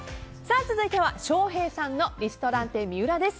続いては翔平さんのリストランテＭＩＵＲＡです。